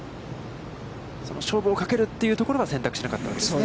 勝負をかけるというところは選択しなかったわけですね。